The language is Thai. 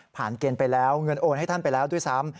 เกณฑ์ไปแล้วเงินโอนให้ท่านไปแล้วด้วยซ้ำ